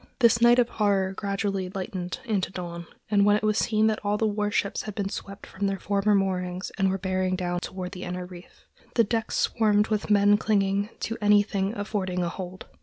This night of horror gradually lightened into dawn, when it was seen that all the war ships had been swept from their former moorings and were bearing down toward the inner reef. The decks swarmed with men clinging to anything affording a hold.